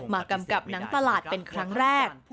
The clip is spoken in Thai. กำกับหนังตลาดเป็นครั้งแรก